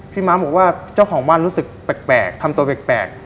ม้าบอกว่าเจ้าของบ้านรู้สึกแปลกทำตัวแปลก